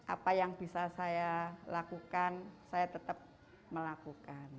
apa yang bisa saya lakukan saya tetap melakukan